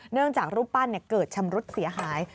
เนื่องจากรูปปั้นเนี่ยเกิดชำรุดเสียหาย